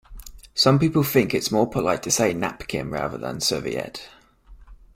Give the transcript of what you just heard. Some people think it more polite to say napkin rather than serviette